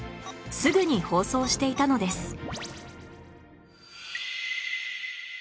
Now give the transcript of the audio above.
すぐに放送していたのです